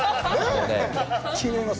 気になります。